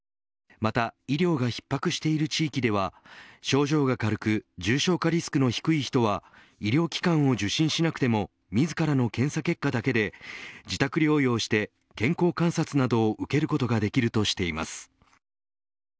また医療が逼迫している地域では症状が軽く重症化リスクの低い人は医療機関を受診しなくても自らの検査結果だけで自宅療養して健康観察などを受けることができるとしています。